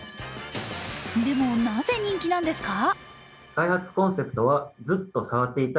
でも、なぜ人気なんですか？